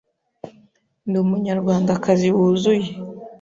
Ndi Umunyarwandakazi wuzuye.